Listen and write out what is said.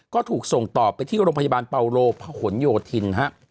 ก็ถูกส่งต่อไปที่โรงพยาบาลเปาโลพะหนโยธินฮะ